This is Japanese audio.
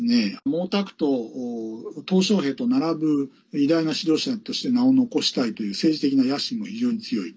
毛沢東、トウ小平と並ぶ偉大な指導者として名を残したいという政治的な野心が非常に強い。